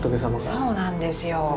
そうなんですよ。